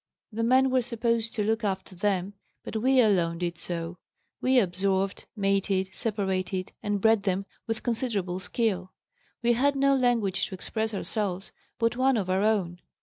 The men were supposed to look after them, but we alone did so. We observed, mated, separated, and bred them with considerable skill. We had no language to express ourselves, but one of our own.